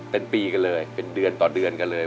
เป็นปีกันเลยเป็นเดือนต่อเดือนกันเลย